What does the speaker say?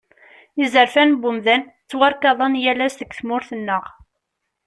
Izerfan n umdan ttwarkaḍen yal ass deg tmurt-nneɣ.